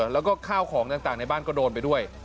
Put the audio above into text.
แล้วก็ข้าวของต่างในบ้านก็โดนไปด้วย